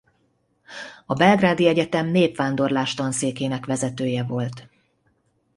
A Belgrádi Egyetem népvándorlás-tanszékének vezetője volt.